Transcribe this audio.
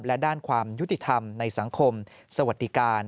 และด้านความยุติธรรมในสังคมสวัสดิการ